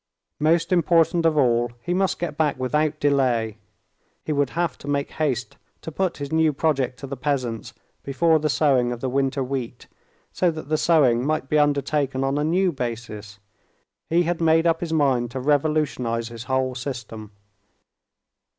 Most important of all—he must get back without delay: he would have to make haste to put his new project to the peasants before the sowing of the winter wheat, so that the sowing might be undertaken on a new basis. He had made up his mind to revolutionize his whole system.